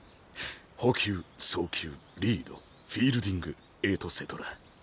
捕球送球リードフィールディングエトセトラ。